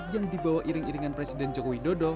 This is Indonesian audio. yang dibawa iring iringan presiden jokowi dodo